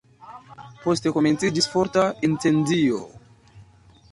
Poste komenciĝis forta incendio.